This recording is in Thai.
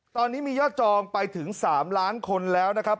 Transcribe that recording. ตอนนี้มียอดจองไปถึง๓ล้านคนแล้วนะครับ